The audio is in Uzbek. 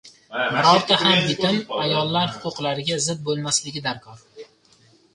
Birorta ham bitim ayollar huquqlariga zid bo‘lmasligi darkor.